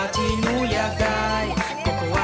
เตรียมตัวครับ